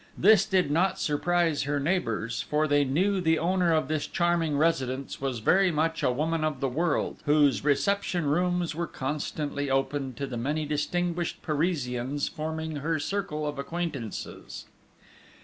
This did not surprise her neighbours, for they knew the owner of this charming residence was very much a woman of the world, whose reception rooms were constantly opened to the many distinguished Parisians forming her circle of acquaintances.